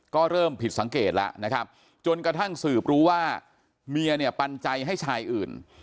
ก็เริ่มผิดสังเกตแล้วนะครับจนกระทั่งสืบรู้ว่าเมียเนี่ยปันใจให้ชายอื่น